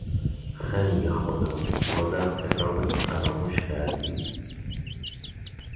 خنگ خدا! بازم کتابتو فراموش کردی!